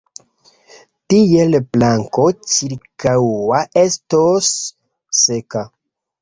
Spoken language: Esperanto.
Tiel planko ĉirkaŭa estos seka!